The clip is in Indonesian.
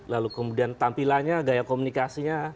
lalu kemudian tampilannya gaya komunikasinya